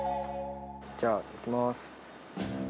じゃあ開けます。